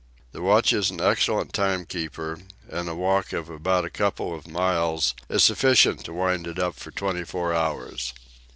The watch is an excellent tune keeper, and a walk of about a couple of miles is sufficient to wind it up for twenty four hours."